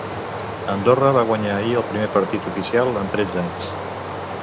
Andorra va guanyar ahir el primer partit oficial en tretze anys.